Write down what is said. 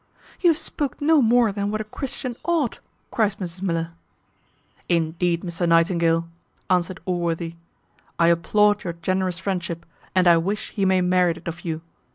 "You have spoke no more than what a Christian ought," cries Mrs Miller. "Indeed, Mr Nightingale," answered Allworthy, "I applaud your generous friendship, and I wish he may merit it of you.